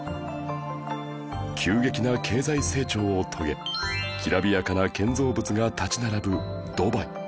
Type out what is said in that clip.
急激な経済成長を遂げきらびやかな建造物が立ち並ぶドバイ